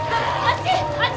あっち！